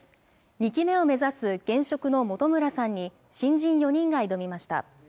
２期目を目指す現職の本村さんに新人４人が挑みました。